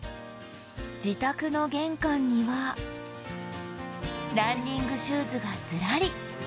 自宅の玄関にはランニングシューズがズラリ。